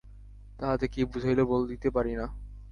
তাহাতে কী বুঝাইল বলিতে পারি না।